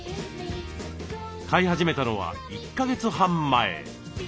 飼い始めたのは１か月半前。